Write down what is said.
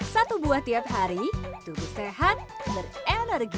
satu buah tiap hari tubuh sehat berenergi